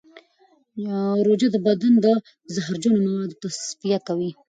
روژه د بدن د زهرجنو موادو تصفیه کوي.